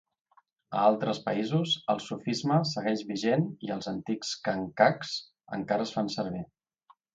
A altres països, el sufisme segueix vigent i els antics khanqahs encara es fan servir.